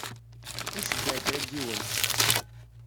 Ad nceyyeɛ kra n yiwen.